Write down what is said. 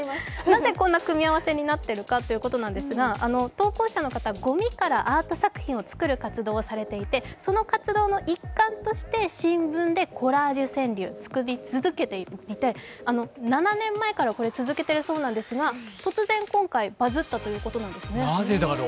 なぜこんな組み合わせになっているのかといいますと、投稿者の方、ごみからアート作品を作る活動をされていて、その活動の一環として新聞でコラージュ川柳を作り続けていて７年前からこれ続けているそうなんですけれども突然今回、これがバズったということなんですね。